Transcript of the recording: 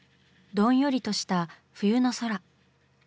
どんよりとした冬の空。